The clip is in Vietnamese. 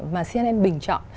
mà cnn bình chọn